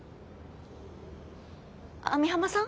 網浜さん？